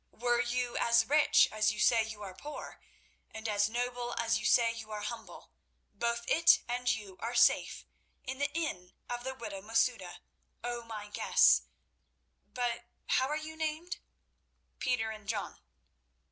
Were you as rich as you say you are poor, and as noble as you say you are humble, both it and you are safe in the inn of the widow Masouda, O my guests—but how are you named?" "Peter and John."